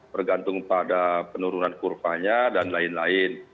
bergantung pada penurunan kurvanya dan lain lain